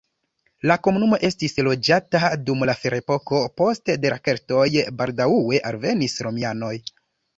La komunumo estis loĝata dum la ferepoko, poste de keltoj, baldaŭe alvenis romianoj.